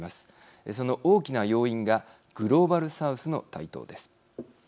その大きな要因がグローバル・サウスの台頭です。